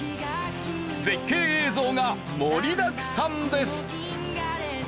絶景映像が盛りだくさんです。